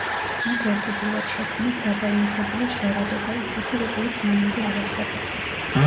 მათ ერთობლივად შექმნეს დაბალანსებული ჟღერადობა, ისეთი, როგორიც მანამდე არ არსებობდა.